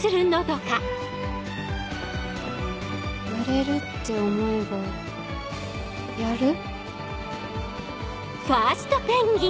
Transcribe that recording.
売れるって思えばやる？